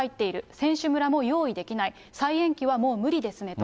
選手村も用意できない、再延期はもう無理ですねと。